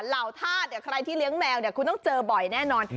เห่าธาตุใครที่เลี้ยงแมวคุณต้องเจอบ่อยแน่นอน